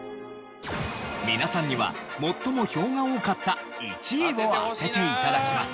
皆さんには最も票が多かった１位を当てて頂きます。